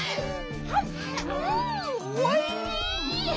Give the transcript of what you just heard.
うんおいしい。